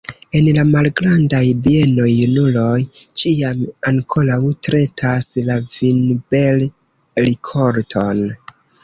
En la malgrandaj bienoj junuloj ĉiam ankoraŭ tretas la vinber-rikolton.